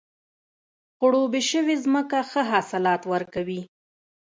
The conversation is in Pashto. خړوبې شوې ځمکه ښه حاصلات ورکوي.